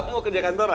kamu kerja kantoran